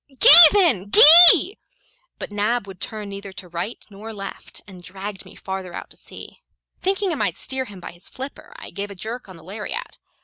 Gee, then, gee!" But Nab would turn neither to right nor left, and dragged me farther out to sea. Thinking I might steer him by his flipper, I gave a jerk on the lariat.